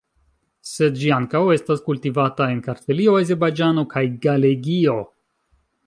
Sed ĝi ankaŭ estas kultivata en Kartvelio, Azerbajĝano kaj Galegio.